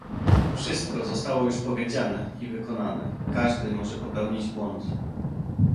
Kiedy wszystko zostało już powiedziane i wykonane, każdy może popełnić błąd